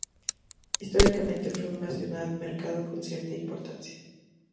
Históricamente fue una ciudad mercado con cierta importancia.